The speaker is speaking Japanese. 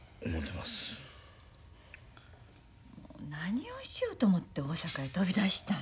もう何をしようと思って大阪へ飛び出したん？